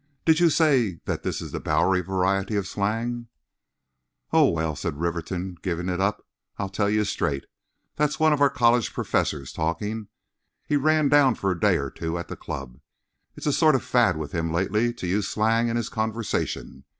Did you say that this is the Bowery variety of slang?" "Oh, well," said Rivington, giving it up, "I'll tell you straight. That's one of our college professors talking. He ran down for a day or two at the club. It's a sort of fad with him lately to use slang in his conversation.